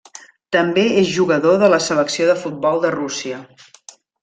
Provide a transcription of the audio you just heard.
També és jugador de la Selecció de futbol de Rússia.